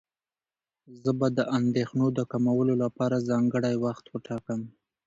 زه به د اندېښنو د کمولو لپاره ځانګړی وخت وټاکم.